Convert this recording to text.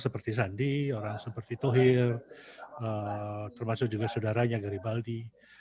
seperti sandi orang seperti tohir termasuk juga saudaranya garibaldi